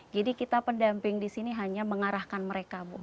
jadi kita pendamping di sini hanya mengarahkan mereka bu